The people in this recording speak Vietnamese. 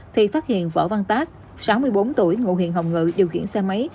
thì phát hiện võ văn tát sáu mươi bốn tuổi ngụ huyện hồng ngự điều khiển xe máy